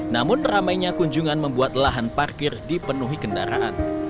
namun ramainya kunjungan membuat lahan parkir dipenuhi kendaraan